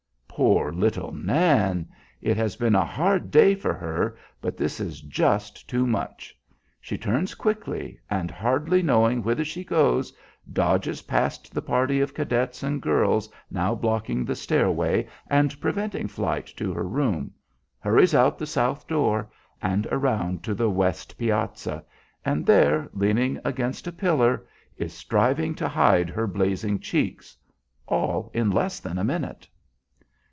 Poor little Nan! It has been a hard day for her, but this is just too much. She turns quickly, and, hardly knowing whither she goes, dodges past the party of cadets and girls now blocking the stairway and preventing flight to her room, hurries out the south door and around to the west piazza, and there, leaning against a pillar, is striving to hide her blazing cheeks, all in less than a minute.